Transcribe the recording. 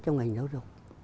trong ngành giáo dục